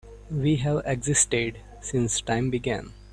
We've existed since time began.